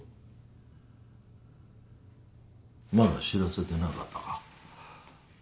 まだ知らせてなかったか。